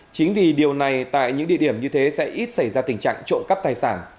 chính vì điều này tại những địa điểm như thế sẽ ít xảy ra tình trạng trộm cắp tài sản